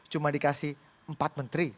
cuma dikasih empat menteri